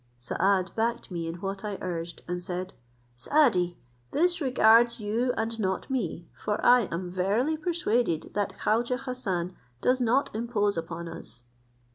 Saad backed me in what I urged; and said, "Saadi, this regards you and not me, for I am verily persuaded that Khaujeh Hassan does not impose upon us."